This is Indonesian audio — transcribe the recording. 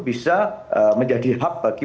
bisa menjadi hak bagi